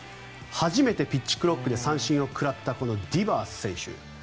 初めてピッチクロックで三振を食らったこのディバース選手。